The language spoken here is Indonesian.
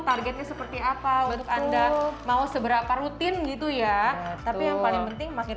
targetnya seperti apa untuk anda mau seberapa rutin gitu ya tapi yang paling penting makin